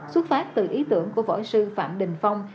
xuất phát từ ý tưởng của võ sư phạm đình phong